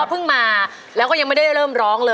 เก่งมากค่ะคุณกอล์ฟเก่งมาก